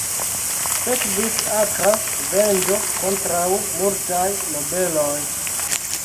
Sekvis akra venĝo kontraŭ multaj nobeloj.